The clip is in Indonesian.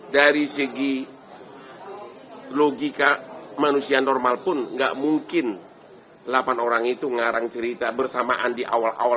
dari segi logika manusia normal pun nggak mungkin delapan orang itu ngarang cerita bersamaan di awal awal